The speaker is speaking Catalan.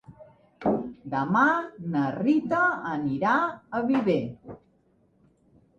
Demà na Rita anirà a Viver.